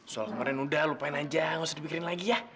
soal kemarin udah lupain aja enggak usah dibikirin lagi ya ya